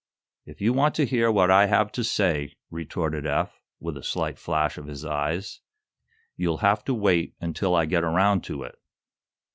"If you want to hear what I have to say," retorted Eph, with a slight flash of his eyes, "you'll have to wait until I get around to it."